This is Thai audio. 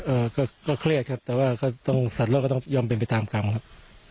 เอ้าก็เครียดครับแต่ว่าต้องสัดทดได้ต้องหย่อมไปไปตามกรรมครับ